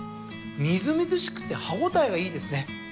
みずみずしくて歯応えがいいですね。